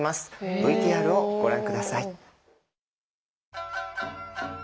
ＶＴＲをご覧下さい。